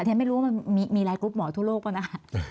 ทีนี้ไม่รู้ว่ามีอะไรกรุ๊ปหมอทั่วโลกป่ะนะครับ